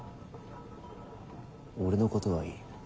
俺のことはいい。